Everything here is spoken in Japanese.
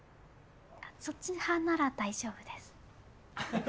そっち派なら大丈夫です。